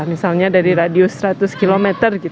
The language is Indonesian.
misalnya dari radius seratus km